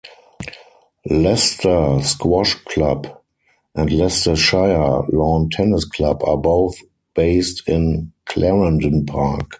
Leicester Squash Club and Leicestershire Lawn Tennis Club are both based in Clarendon Park.